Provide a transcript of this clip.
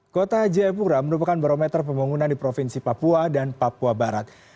kota jayapura merupakan barometer pembangunan di provinsi papua dan papua barat